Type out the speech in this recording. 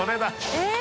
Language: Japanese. えっ？